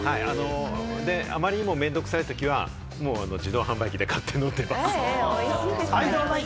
あまりにも面倒くさいときは自動販売機で買って飲んでたりする。